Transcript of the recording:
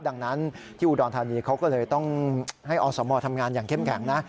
ดังนั้นที่อุดรธานีเขาก็เลยต้องให้อสมทำงานอย่างเข้มแข็งนะ